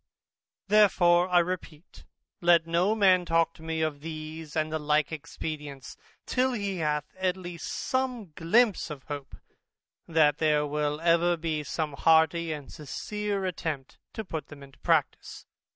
Therefore I repeat, let no man talk to me of these and the like expedients, till he hath at least some glympse of hope, that there will ever be some hearty and sincere attempt to put them into practice.